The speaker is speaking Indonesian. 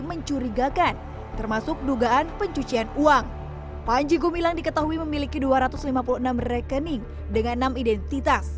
mencurigakan termasuk dugaan pencucian uang panji gumilang diketahui memiliki dua ratus lima puluh enam rekening dengan enam ideologi yang menunggu untuk dikonsumsi kembali ke negara lainnya